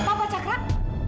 apa pak cakrab